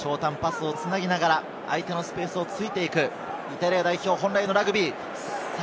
この位置から長短のパスを繋ぎながら相手のスペースを突いていくイタリア代表、本来のラグビー。